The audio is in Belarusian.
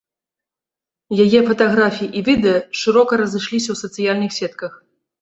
Яе фатаграфіі і відэа шырока разышліся ў сацыяльных сетках.